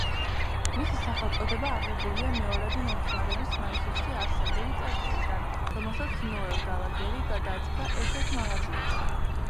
მისი სახელწოდება აღებულია მეორადი მოხმარების მაისურზე არსებული წარწერიდან, რომელსაც ნოელ გალაგერი გადააწყდა ერთ-ერთ მაღაზიაში.